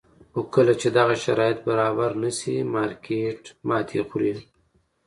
خو کله چې دغه شرایط برابر نه شي مارکېټ ماتې خوري.